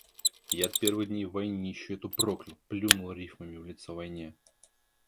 Я от первых дней войнищу эту проклял, плюнул рифмами в лицо войне.